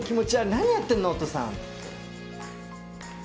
何やってんのお父さん！